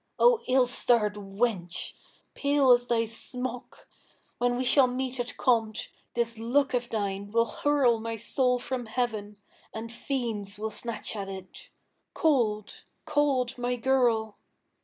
O ill starred wench! Pale as thy smock! when we shall meet at compt, This look of thine will hurl my soul from heaven, And fiends will snatch at it. Cold, cold, my girl?